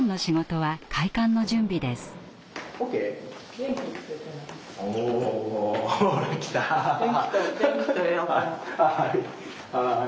はい。